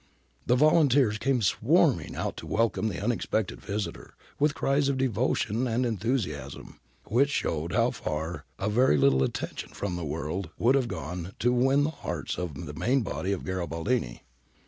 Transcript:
The volunteers came swarming out to welcome the unex pected visitor, with cries of devotion and enthusiasm which showed how far a very little attention from the official world would have gone to win the hearts of the main body of Garibaldini.